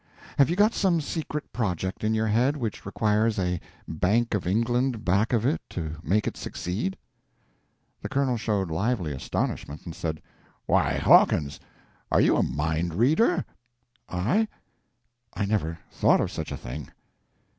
Have you got some secret project in your head which requires a Bank of England back of it to make it succeed?" p184.jpg (28K) The Colonel showed lively astonishment, and said: "Why, Hawkins, are you a mind reader?" "I? I never thought of such a thing."